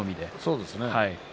そうですね。